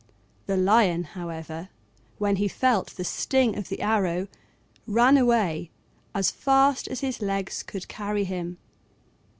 The Lion, however, when he felt the sting of the arrow, ran away as fast as his legs could carry him.